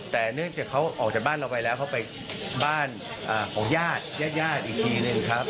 แต่เนื่องจากเขาออกจากบ้านเราไปแล้วเขาไปบ้านของญาติญาติอีกทีหนึ่งครับ